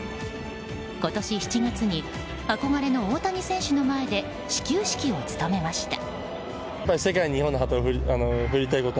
今年７月に憧れの大谷選手の前で始球式を務めました。